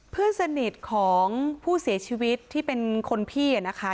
เพื่อนสนิทของผู้เสียชีวิตที่เป็นคนพี่นะคะ